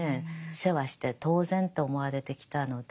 世話して当然と思われてきたので。